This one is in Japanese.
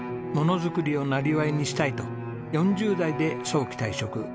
ものづくりをなりわいにしたいと４０代で早期退職。